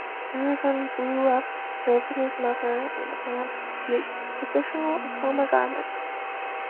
Aragon grew up observing his mother and aunt create traditional Acoma garments.